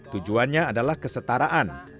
tujuannya adalah kesetaraan